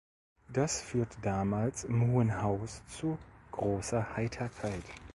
Das führte damals im Hohen Haus zu großer Heiterkeit.